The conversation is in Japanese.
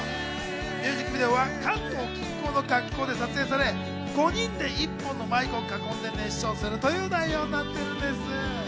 ミュージックビデオは関東近郊の学校で撮影され、５人で１本のマイクを囲んで熱唱するという内容になってるんです。